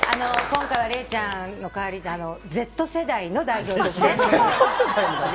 今回は礼ちゃんの代わりでＺ世代の代表として。